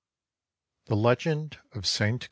THE LEGEND OF ST.